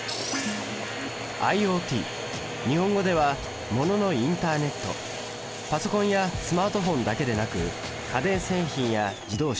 ＩｏＴ日本語ではパソコンやスマートフォンだけでなく家電製品や自動車